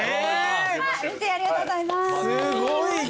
ありがとうございます。